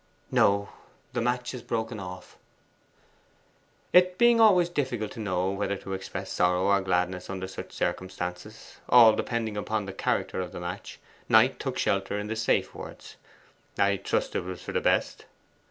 'No: the match is broken off.' It being always difficult to know whether to express sorrow or gladness under such circumstances all depending upon the character of the match Knight took shelter in the safe words: 'I trust it was for the best.